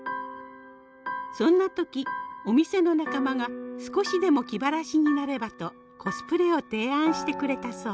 そんな時お店の仲間が少しでも気晴らしになればとコスプレを提案してくれたそう。